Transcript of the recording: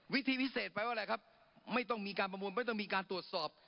วิธีพิเศษแปลว่าอะไรครับไม่ต้องมีการประมูลไม่ต้องมีการตรวจสอบ